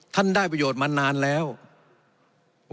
ท่านได้ประโยชน์มานานแล้ว